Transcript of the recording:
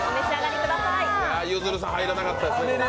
ゆずるさん入らなかったです